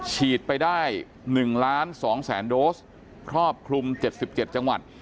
ฉีดไปได้๑ล้าน๒แสนโดสครอบคลุม๗๗จังหวัด